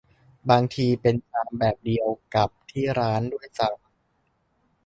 บางทีเป็นชามแบบเดียวกับที่ร้านด้วยซ้ำ